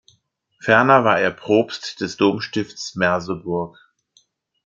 Ferner war er Propst des Domstifts Merseburg.